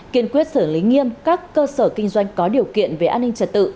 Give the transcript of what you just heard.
kiên quyết xử lý nghiêm các cơ sở kinh doanh có điều kiện về an ninh trật tự